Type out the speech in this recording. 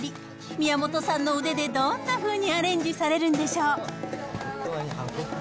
宮本さんの腕でどんなふうにアレンジされるんでしょう。